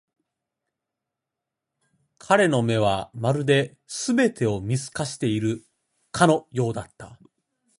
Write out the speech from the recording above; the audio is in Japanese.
彼の目は、まるで全てを見透かしているかのようだった。